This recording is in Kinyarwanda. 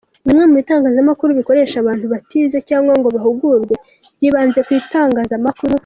Bimwe mu bitangazamakuru bikoresha abantu batize cyangwa ngo bahugurwe by’ibanze ku itangamakuru.